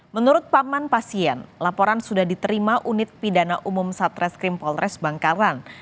menurut paman pasien laporan sudah diterima unit pidana umum satreskrim polres bangkalan